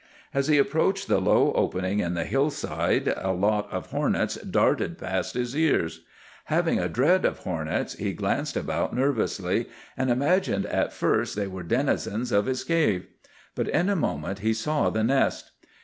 "As he approached the low opening in the hillside a lot of hornets darted past his ears. Having a dread of hornets he glanced about nervously, and imagined at first they were denizens of his cave. But in a moment he saw the nest.